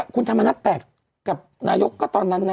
คุณธรรมนัฐแตกกับนายกก็ตอนนั้นนะ